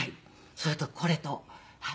それとこれと。